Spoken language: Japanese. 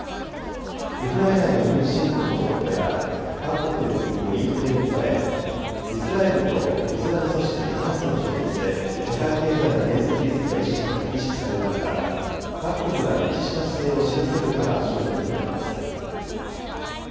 ウクライナへの軍事侵攻の長期化や、各国で続くインフレに加え、イスラエルとイスラム組織ハマスの衝突で、世界経済の減速リスクが意識される中、各国が一致した姿勢を示せるかが焦点となります。